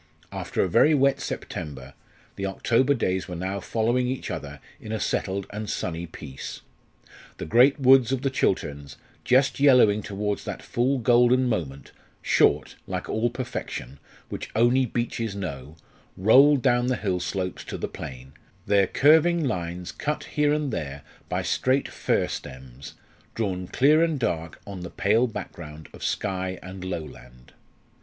After a very wet September, the October days were now following each other in a settled and sunny peace. The great woods of the Chilterns, just yellowing towards that full golden moment short, like all perfection, which only beeches know, rolled down the hill slopes to the plain, their curving lines cut here and there by straight fir stems, drawn clear and dark on the pale background of sky and lowland.